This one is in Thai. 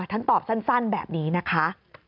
ท่านตอบสั้นแบบนี้นะคะ